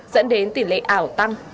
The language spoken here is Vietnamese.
dẫn đến tỷ lệ ảo tăng